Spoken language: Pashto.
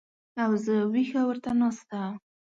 او زه وېښه ورته ناسته